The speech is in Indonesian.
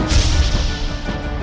aku mau ke kanjeng itu